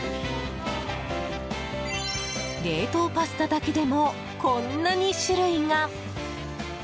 冷凍パスタだけでもこんなに種類が。